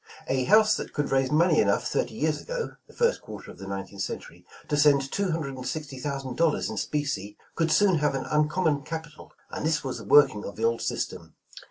'*A house that could raise money enough thirty years ago, (the first quarter of the nineteenth century) to send two hundred and sixty thousand dollars in specie, could soon have an uncommon capital, and this was the working of the old system.